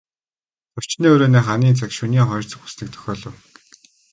Зочны өрөөний ханын цаг шөнийн хоёр цаг болсныг дохиолов.